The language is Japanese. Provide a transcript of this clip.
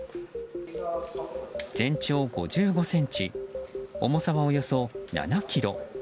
全長５５ｃｍ重さは、およそ７ｋｇ。